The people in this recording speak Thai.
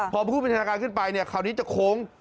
พอผู้บัญชาการขึ้นไปเนี่ยคราวนี้จะโค้ง